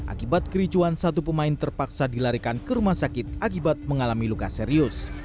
akibat kericuan satu pemain terpaksa dilarikan ke rumah sakit akibat mengalami luka serius